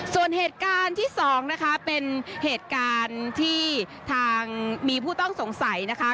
ส่วนเหตุการณ์ที่สองนะคะเป็นเหตุการณ์ที่ทางมีผู้ต้องสงสัยนะคะ